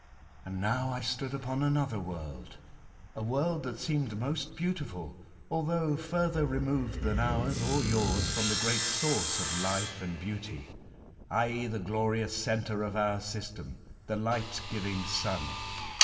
And now I stood upon anotber world — a world tbat seemed most beautiful, altbougb furtber removed tban ours or yours from tbe great source of life and beauty, i.e., tbe glorious centre of our system — tbe ligbt giving Sun.